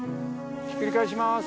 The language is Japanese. ひっくり返します。